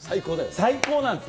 最高なんですよ。